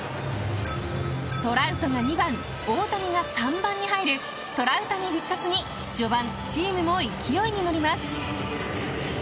トラウトの２番大谷が３番に入るトラウタニ復活に序盤チームも勢いに乗ります。